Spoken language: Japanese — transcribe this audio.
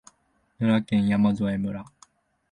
奈良県山添村